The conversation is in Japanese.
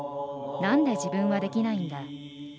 「なんで自分はできないんだ」。